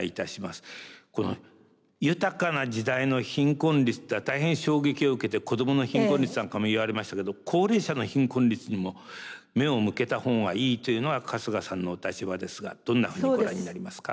この豊かな時代の貧困率っていうのは大変衝撃を受けて子どもの貧困率なんかもいわれましたけど高齢者の貧困率にも目を向けた方がいいというのは春日さんのお立場ですがどんなふうにご覧になりますか？